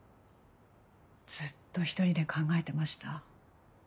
ずっと一人で考えてました。